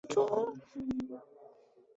张先松。